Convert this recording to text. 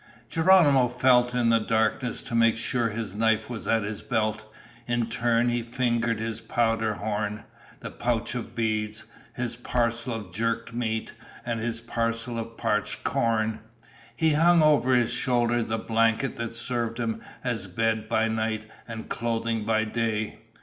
Geronimo felt in the darkness to make sure his knife was at his belt. In turn he fingered his powder horn, the pouch of beads, his parcel of jerked meat, and his parcel of parched corn. He hung over his shoulder the blanket that served him as bed by night and clothing by day.